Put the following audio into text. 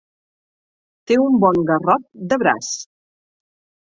Té un bon garrot de braç.